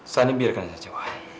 sani biarkan saja wah